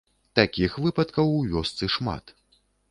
Такіх выпадкаў у вёсцы шмат.